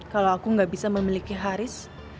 kalau aku nggak bisa memiliki haris